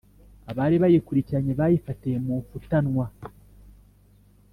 abari bayikurikiranye bayifatiye mu mfutanwa.